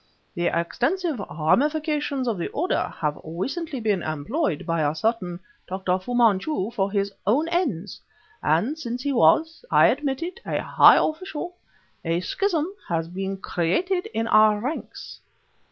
The extensive ramifications of the Order have recently been employed by a certain Dr. Fu Manchu for his own ends, and, since he was (I admit it) a high official, a schism has been created in our ranks.